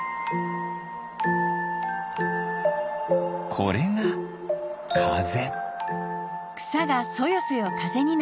これがかぜ。